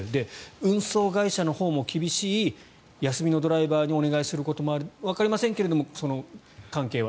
運送会社のほうも厳しい休みのドライバーにお願いすることもあるわかりませんけどその関係は。